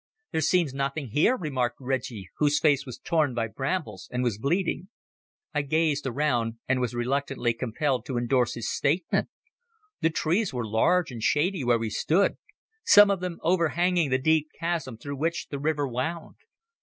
"There seems nothing here," remarked Reggie, whose face was torn by brambles and was bleeding. I gazed around and was reluctantly compelled to endorse his statement. The trees were large and shady where we stood, some of them overhanging the deep chasm through which the river wound.